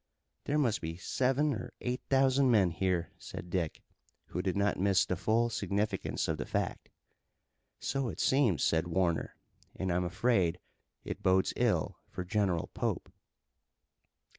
"There must be seven or eight thousand men here," said Dick, who did not miss the full significance of the fact. "So it seems," said Warner, "and I'm afraid it bodes ill for General Pope."